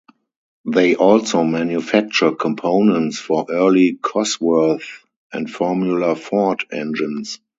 They also manufacture components for early Cosworth and Formula ford engines.